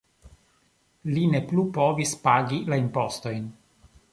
Li ne plu povis pagi la impostojn.